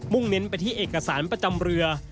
เน้นไปที่เอกสารประจำเรือ